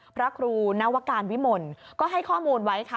พระครูนวการวิมลก็ให้ข้อมูลไว้ค่ะ